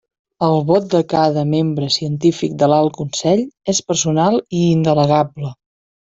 El vot de cada membre científic de l'Alt Consell és personal i indelegable.